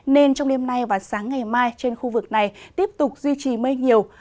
nên trong đêm nay và sáng ngày mai trên khu vực này tiếp tục duy trì mây nhiều